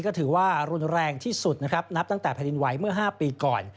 ก็ถือว่ารุนแรงที่สุดนะครับนับตั้งแต่แผ่นดินไหวเมื่อ๕ปีก่อน